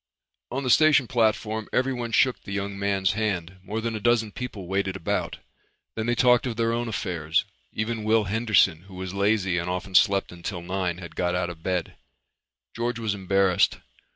On the station platform everyone shook the young man's hand. More than a dozen people waited about. Then they talked of their own affairs. Even Will Henderson, who was lazy and often slept until nine, had got out of bed. George was embarrassed.